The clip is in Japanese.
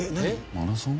マラソン？